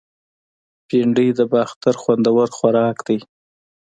بېنډۍ د باختر خوندور خوراک دی